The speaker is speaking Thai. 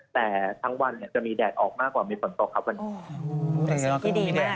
แต่ทั้งวันเนี่ยจะมีแดดออกมากว่ามีฝนตกครับวันนี้